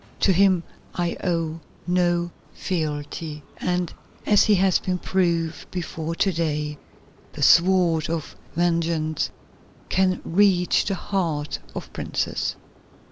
To him I owe no fealty and, as has been proved before to day, the sword of vengeance can reach the heart of princes."